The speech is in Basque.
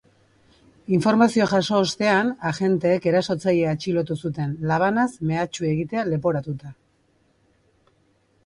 Informazioa jaso ostean, agenteek erasotzailea atxilotu zuten, labanaz mehatxu egitea leporatuta.